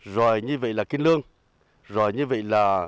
rồi như vậy là cái lương rồi như vậy là